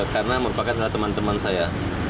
karena merupakan salah teman teman saya